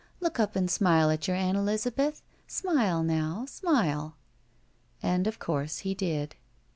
Look up and smile at your Ann Eliza beth. Smile, now, smile." And of course he did.